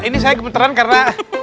ini saya gemeteran karena